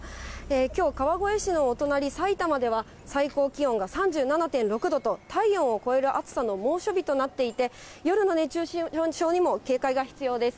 きょう、川越市のお隣、さいたまでは、最高気温が３７．６度と、体温を超える暑さの猛暑日となっていて、夜の熱中症にも警戒が必要です。